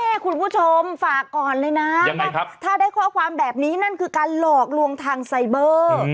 คุณผู้ชมฝากก่อนเลยนะถ้าได้ข้อความแบบนี้นั่นคือการหลอกลวงทางไซเบอร์